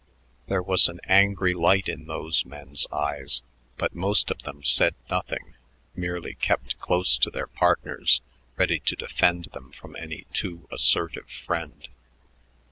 There was an angry light in those men's eyes, but most of them said nothing, merely kept close to their partners, ready to defend them from any too assertive friend.